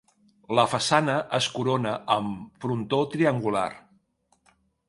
La façana es corona amb frontó triangular.